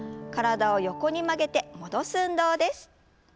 体を横に曲げて戻す運動です。